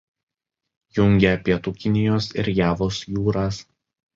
Jungia Pietų Kinijos ir Javos jūras.